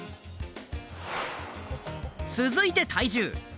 続いて体重。